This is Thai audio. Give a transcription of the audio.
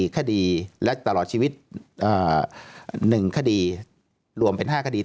คดีและตลอดชีวิต๑คดีรวมเป็น๕คดี